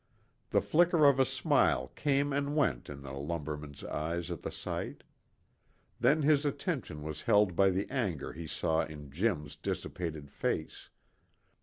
The flicker of a smile came and went in the lumberman's eyes at the sight. Then his attention was held by the anger he saw in Jim's dissipated face.